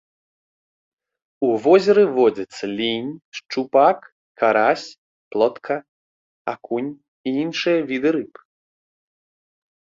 У возеры водзяцца лінь, шчупак, карась, плотка, акунь і іншыя віды рыб.